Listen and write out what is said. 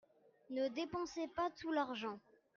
Ne dépensez pas tout l'argent.